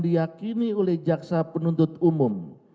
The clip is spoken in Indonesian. diakini oleh jaksa penuntut umum